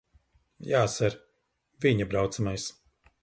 Jā, ser. Viņa braucamais.